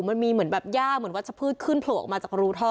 มันมีเหมือนแบบย่าเหมือนวัชพืชขึ้นโผล่ออกมาจากรูท่อ